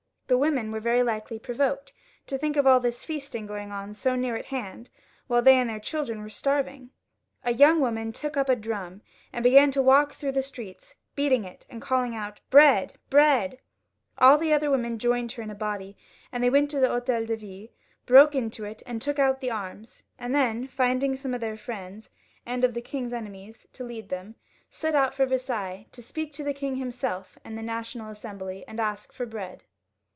The women were very likely provoked to think of all this feasting going on so near at hand, whHe they and their chUdren were starving. A young woman took up a drum and began to walk through the streets, beating it and calling out, " Bread ! bread !" All the other women joined her in a body, and they went to the H6tel de Ville, or 388 ' LOUIS XVL [CH. Town Hall, broke into it, and took out arms, and then finding some of their Mends, and of the king^s enemies, to lead them, set out for Versailles to speak to the king him self and the National Assembly, and ask for bread.